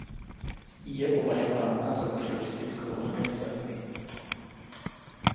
Je považována za teroristickou organizaci.